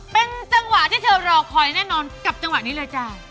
เป็นจังหวะที่เธอรอคอยแน่นอนกับจังหวะนี้เลยจ้า